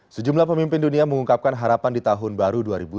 sejumlah pemimpin dunia mengungkapkan harapan di tahun baru dua ribu sembilan belas